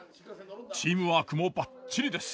チームワークもバッチリです。